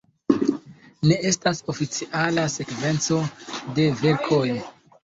Ne estas oficiala sekvenco de verkoj.